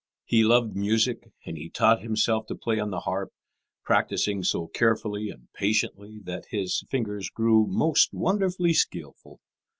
He loved music, and he taught himself to play on the harp, practising so carefully and patiently that his fingers grew most wonderfully skilful.